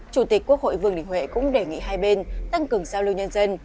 chủ tịch quốc hội vương đình huệ cũng đề nghị hai bên tăng cường giao lưu nhân dân